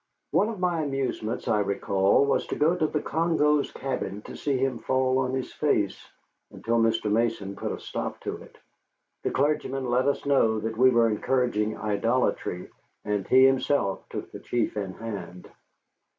One of our amusements, I recall, was to go to the Congo's cabin to see him fall on his face, until Mr. Mason put a stop to it. The clergyman let us know that we were encouraging idolatry, and he himself took the chief in hand.